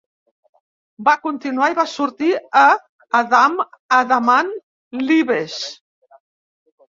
Va continuar i va sortir a Adam Adamant Lives!